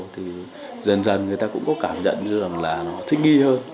thì dần dần người ta cũng có cảm nhận được là nó thích nghi hơn